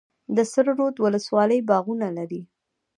د سره رود ولسوالۍ باغونه لري